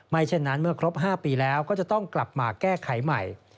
เช่นนั้นเมื่อครบ๕ปีแล้วก็จะต้องกลับมาแก้ไขใหม่